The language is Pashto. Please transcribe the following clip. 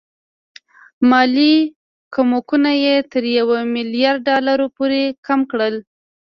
مالي کومکونه یې تر یو میلیارډ ډالرو پورې کم کړل.